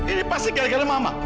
ini pasti gara gara mama